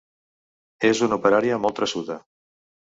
És una operària molt traçuda.